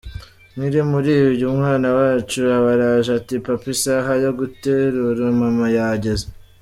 Nkiri muri ibyo, umwana wacu aba araje, ati“Papa, isaha yo guterura mama yageze.